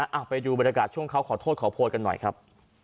เอาไปดูบรรยากาศช่วงเขาขอโทษขอโพยกันหน่อยครับ